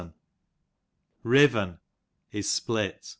Riven, is split.